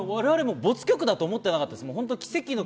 我々ボツ曲だと思ってなかったです。